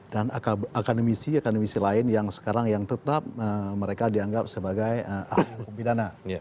dan akademisi akademisi lain yang sekarang tetap mereka dianggap sebagai ahli hukum pidana